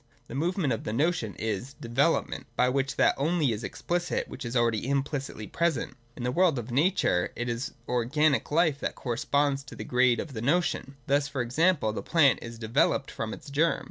The movement of the Notion is development: by which_Jhat only .is. explicit which is .alrca4x.iHipli£itly present. In the world of nature it is organic life that corresponds to the grade of the notion. Thus e.g. the plant is developed from its germ.